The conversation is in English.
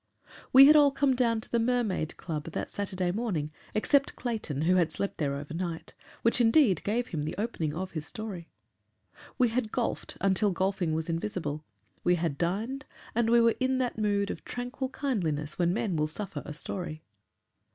We had all come down to the Mermaid Club that Saturday morning, except Clayton, who had slept there overnight which indeed gave him the opening of his story. We had golfed until golfing was invisible; we had dined, and we were in that mood of tranquil kindliness when men will suffer a story.